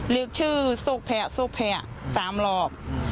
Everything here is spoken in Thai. เรียกชื่อโศกแผลโศกแผล๓รอบ